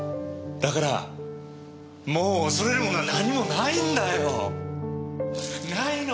だからもう恐れるものはなんにもないんだよ！ないの！